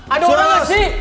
ada orang masih